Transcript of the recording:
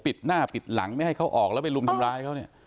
ปิดหน้าปิดหลังไม่ให้เขาออกไปลูมทำร้าย